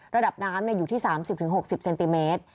ระดับน้ำอยู่ที่๓๐๖๐เซนติเมตร